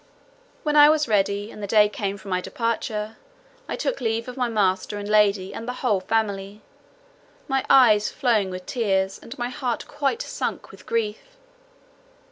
When all was ready, and the day came for my departure, I took leave of my master and lady and the whole family, my eyes flowing with tears, and my heart quite sunk with grief.